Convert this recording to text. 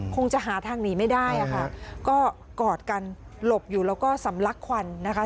คงจะหาทางหนีไม่ได้อะค่ะก็กอดกันหลบอยู่แล้วก็สำลักควันนะคะ